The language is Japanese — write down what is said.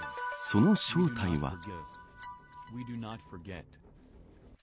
その正体は。